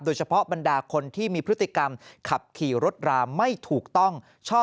บรรดาคนที่มีพฤติกรรมขับขี่รถราไม่ถูกต้อง